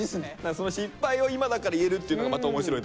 その失敗を今だから言えるっていうのがまた面白いとこだよね。